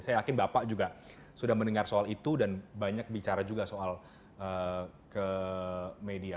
saya yakin bapak juga sudah mendengar soal itu dan banyak bicara juga soal ke media